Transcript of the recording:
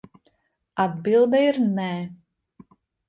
Atbilde ir nē.